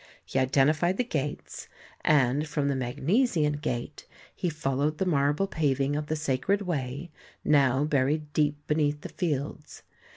He identified the gates, and from the Magnesian gate he followed the marble paving of the sacred way, now buried deep beneath the fields.